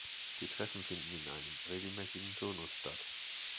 Die Treffen finden in einem regelmäßigen Turnus statt.